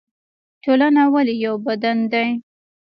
ټولنه ولې یو بدن دی؟